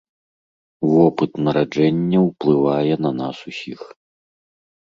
Вопыт нараджэння ўплывае на нас усіх.